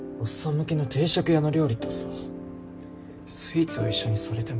向けの定食屋の料理とさスイーツを一緒にされても。